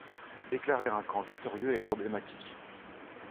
Déclarer un camp victorieux est problématique.